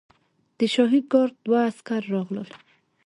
د شاهي ګارډ دوه عسکر راغلل.